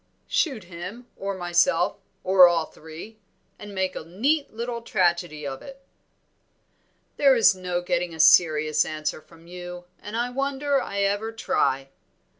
"Shoot him or myself, or all three, and make a neat little tragedy of it." "There is no getting a serious answer from you, and I wonder I ever try.